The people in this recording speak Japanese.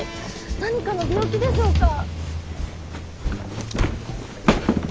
何かの病気でしょうか？